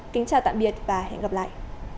kính chào tạm biệt và hẹn gặp lại